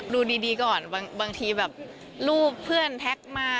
ดูดีก่อนบางทีแบบรูปเพื่อนแท็กมา